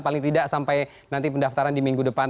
paling tidak sampai nanti pendaftaran di minggu depan